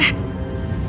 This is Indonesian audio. lalu raja berkata